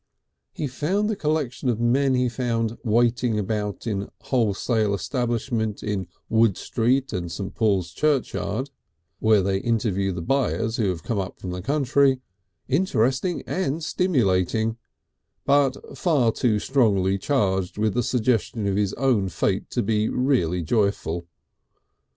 He found the collection of men he found waiting about in wholesale establishments in Wood Street and St. Paul's Churchyard (where they interview the buyers who have come up from the country) interesting and stimulating, but far too strongly charged with the suggestion of his own fate to be really joyful.